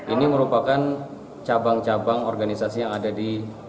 ini merupakan cabang cabang organisasi yang ada di